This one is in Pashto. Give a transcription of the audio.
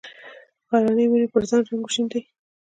غرنې ونې پر ځان رنګ وشیندي